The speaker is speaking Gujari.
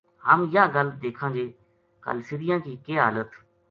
ہم یاہ گل دیکھاں جے کالسریا ں کی کے حالت